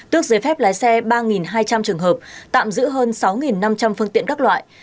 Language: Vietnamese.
tước giấy phép lái xe ba hai trăm linh trường hợp tạm giữ hơn sáu năm trăm linh phương tiện các loại